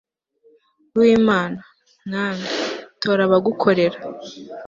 w'imana, mwami, tora abagukorera